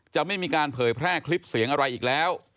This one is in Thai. จะไม่มีการเผยแพร่คลิปเสียงอะไรอีกแล้ว